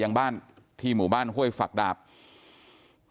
นางนาคะนี่คือยายน้องจีน่าคุณยายถ้าแท้เลย